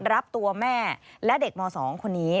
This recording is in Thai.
รับตัวแม่และเด็กม๒คนนี้